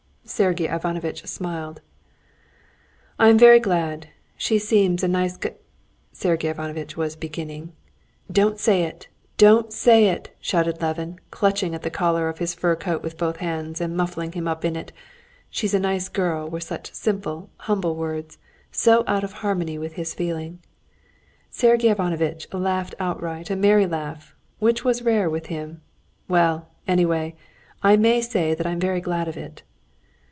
Sergey Ivanovitch smiled. "I am very glad, she seems a nice gi...." Sergey Ivanovitch was beginning. "Don't say it! don't say it!" shouted Levin, clutching at the collar of his fur coat with both hands, and muffling him up in it. "She's a nice girl" were such simple, humble words, so out of harmony with his feeling. Sergey Ivanovitch laughed outright a merry laugh, which was rare with him. "Well, anyway, I may say that I'm very glad of it."